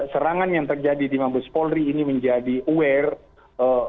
serangan yang terjadi di mabes polri ini menjadi aware